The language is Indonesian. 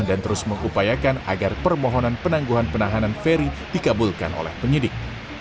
dan terus mengupayakan agar permohonan penangguhan penahanan ferry dikabulkan oleh penyidik